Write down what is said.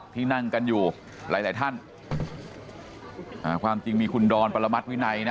ที่นั่งกันอยู่หลายหลายท่านอ่าความจริงมีคุณดอนปรมัติวินัยนะ